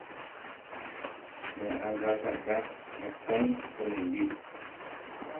Ne ánga sakã akói tomimbi